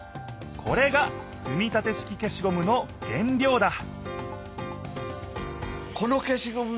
これが組み立て式消しゴムの原料だ